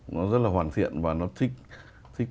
nó rất là hoàn thiện và nó thích